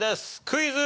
クイズ。